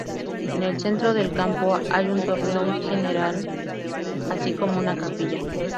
En el centro del campo hay un torreón general, así como una capilla.